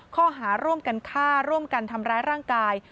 ข้อหาร่วมกันฆ่าร่วมกันทำร้ายร่างกาย